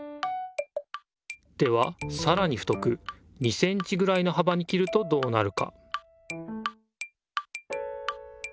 ではさらに太く２センチぐらいのはばに切るとどうなるか？